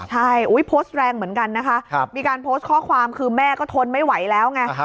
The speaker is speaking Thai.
ใช่โพสต์แรงเหมือนกันนะคะมีการโพสต์ข้อความคือแม่ก็ทนไม่ไหวแล้วไง